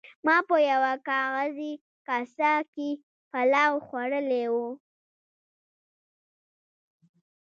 ما په یوه کاغذي کاسه کې پلاو خوړلی و.